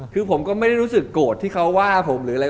คือผมก็ไม่ได้รู้สึกโกรธที่เขาว่าผมหรืออะไร